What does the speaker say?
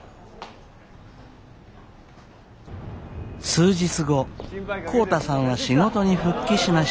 数日後浩太さんは仕事に復帰しました。